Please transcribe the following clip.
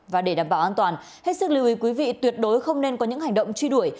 và để đảm bảo an toàn hết sức lưu ý quý vị tuyệt đối không nên có những hành động truy đuổi